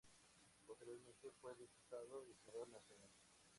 Posteriormente fue diputado y senador nacional.